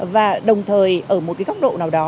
và đồng thời ở một cái góc độ nào đó